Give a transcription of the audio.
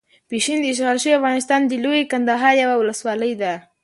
پشین داشغال شوي افغانستان د لويې کندهار یوه ولسوالۍ ده.